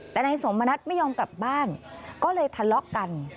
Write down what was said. แต่นายสมณัฐไม่ยอมกลับบ้านก็เลยทะเลาะกัน